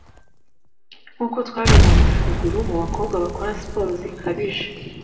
Nkuko twabibonye haruguru, mu bakobwa bakora siporo zikabije